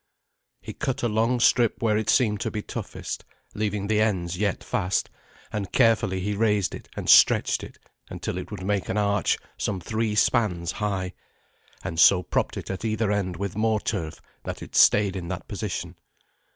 He cut a long strip where it seemed to be toughest, leaving the ends yet fast, and carefully he raised it and stretched it until it would make an arch some three spans high, and so propped it at either end with more turf that it stayed in that position.